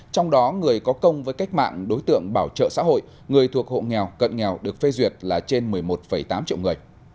trong đó người có công với cách mạng đối tượng bảo trợ xã hội người thuộc hộ nghèo cận nghèo được phê duyệt là trên một mươi một tám triệu người